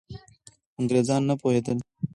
انګریزان نه پوهېدل.